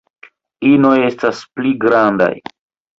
Inoj estas pli grandaj.